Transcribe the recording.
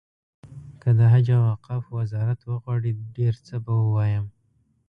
که د حج او اوقافو وزارت وغواړي ډېر څه به ووایم.